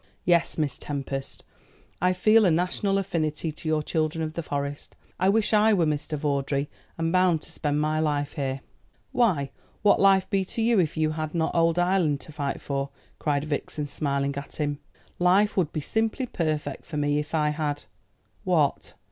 Yes, Miss Tempest, I feel a national affinity to your children of the Forest. I wish I were Mr. Vawdrey, and bound to spend my life here." "Why, what would life be to you if you had not Ould Ireland to fight for?" cried Vixen, smiling at him. "Life would be simply perfect for me if I had " "What?"